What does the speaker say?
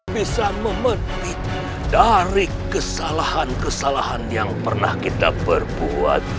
bisa memetik dari kesalahan kesalahan yang pernah kita berbuat